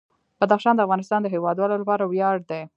بدخشان د افغانستان د هیوادوالو لپاره ویاړ دی.